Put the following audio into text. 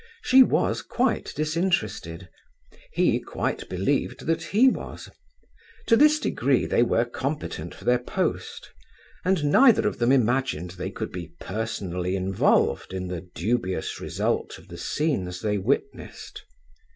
She was quite disinterested; he quite believed that he was; to this degree they were competent for their post; and neither of them imagined they could be personally involved in the dubious result of the scenes they witnessed.